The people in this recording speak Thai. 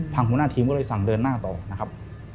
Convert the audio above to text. หัวหน้าทีมก็เลยสั่งเดินหน้าต่อนะครับ